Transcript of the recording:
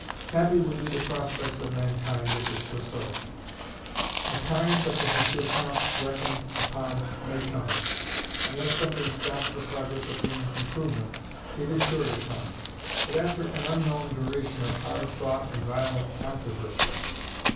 Happy would be the prospects of mankind if this were so. A time such as M. Comte reckoned upon may come; unless something stops the progress of human improvement, it is sure to come: but after an unknown duration of hard thought and violent controversy.